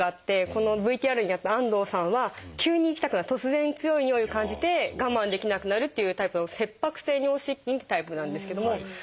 このＶＴＲにあった安藤さんは急に行きたくなる突然強い尿意を感じて我慢できなくなるっていうタイプの「切迫性尿失禁」っていうタイプなんですけども。